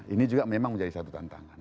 ini juga memang menjadi satu tantangan